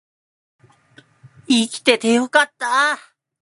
生きててよかった